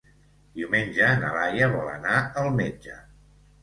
Diumenge na Laia vol anar al metge.